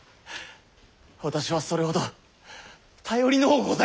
私はそれほど頼りのうございますか！